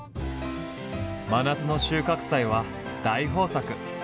真夏の収穫祭は大豊作！